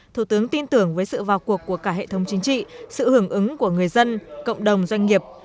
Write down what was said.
thủ tướng tin tưởng với sự vào cuộc của cả hệ thống chính trị sự hưởng ứng của người dân cộng đồng doanh nghiệp